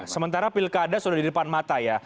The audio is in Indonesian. sementara pilkada sudah di depan mata ya